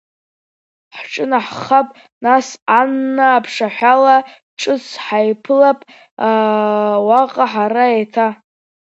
Ҳҿынаҳхап, нас, Анна, аԥшаҳәала, ҿыц ҳаиԥылап уаҟа ҳара еиҭа.